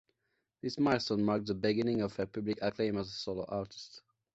This milestone marked the beginning of her public acclaim as a solo artist.